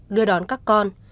đưa đón các con